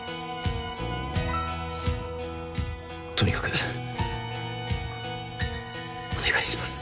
とにかくお願いします。